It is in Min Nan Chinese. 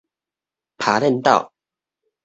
拋輾斗